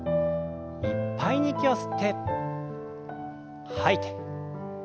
いっぱいに息を吸って吐いて。